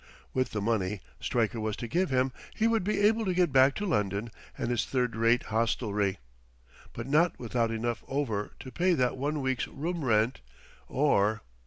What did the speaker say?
With the money Stryker was to give him he would be able to get back to London and his third rate hostelry, but not with enough over to pay that one week's room rent, or